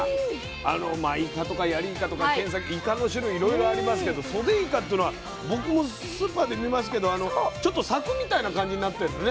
あのまあイカとかヤリイカとかケンサキイカの種類いろいろありますけどソデイカっていうのは僕もスーパーで見ますけどちょっとさくみたいな感じになってんのね。